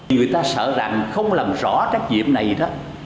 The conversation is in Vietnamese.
người ta sợ rằng không làm rõ trách nhiệm này đó